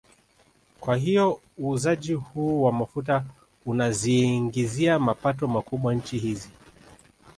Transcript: Kwa hiyo uuzaji huu wa mafuta unaziingizia mapato makubwa nchi hizi